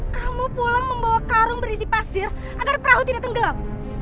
kamu pulang membawa karung berisi pasir agar perahu tidak tenggelam